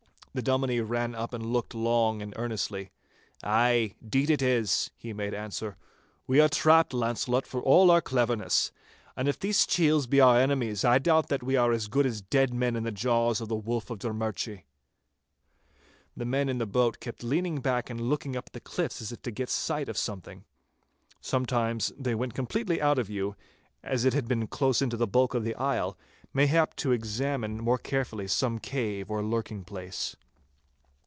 The Dominie ran up and looked long and earnestly. 'Ay, deed is it that,' he made answer. 'We are trapped, Launcelot, for all our cleverness. And if these chiels be our enemies, I doubt that we are as good as dead men in the jaws of the Wolf of Drummurchie. The men in the boat kept leaning back and looking up at the cliffs as if to get sight of something. Sometimes they went completely out of view, as it had been close into the bulk of the isle, mayhap to examine more carefully some cave or lurking place.